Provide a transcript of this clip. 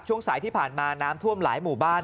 ช่วงสายที่ผ่านมาน้ำท่วมหลายหมู่บ้าน